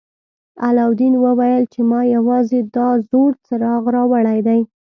علاوالدین وویل چې ما یوازې دا زوړ څراغ راوړی دی.